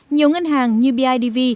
nhiều ngân hàng như bidv